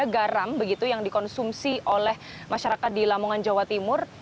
garam begitu yang dikonsumsi oleh masyarakat di lamongan jawa timur